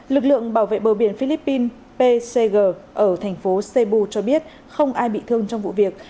lực lượng bảo vệ bờ biển philippines pcg ở thành phố sebu cho biết không ai bị thương trong vụ việc